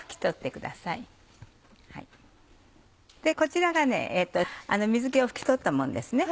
こちらが水気を拭き取ったものです。